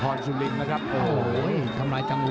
พี่ลุทธ์ที่โชคใหญ่เลย